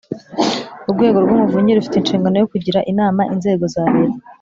Urwego rw Umuvunyi rufite inshingano yo kugira inama inzego za Leta